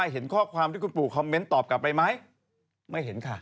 เห็นข้อความที่คุณปู่คอมเมนต์ตอบรับไปไหม